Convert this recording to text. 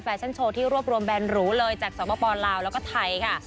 ชั่นโชว์ที่รวบรวมแนนหรูเลยจากสปลาวแล้วก็ไทยค่ะ